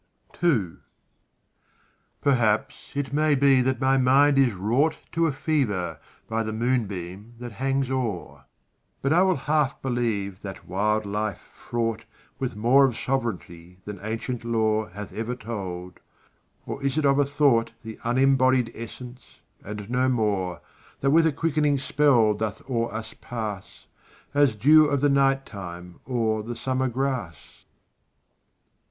II Perhaps it may be that my mind is wrought To a fever by the moonbeam that hangs o'er, But I will half believe that wild light fraught With more of sovereignty than ancient lore Hath ever told or is it of a thought The unembodied essence, and no more, That with a quickening spell doth o'er us pass As dew of the night time o'er the summer grass?